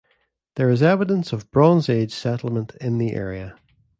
There is evidence of Bronze Age settlement in the area.